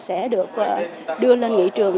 sẽ được đưa lên nghị trường